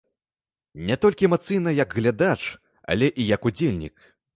Не толькі эмацыйна, як глядач, але і як удзельнік.